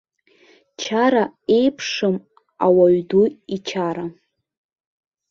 Чара еиԥшым ауаҩ ду ичара.